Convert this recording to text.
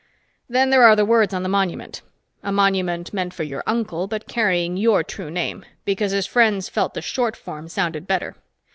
Then there are the words on the monument a monument meant for your uncle, but carrying your true name, because his friends felt the short form sounded better.